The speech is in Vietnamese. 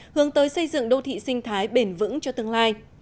hướng tới xây dựng đô thị sinh thái bền vững cho tương lai